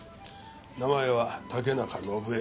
名前は竹中伸枝。